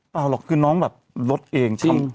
เปล่าหรอกคือน้องแบบรดเอง